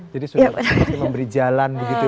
jadi sudah pasti memberi jalan begitu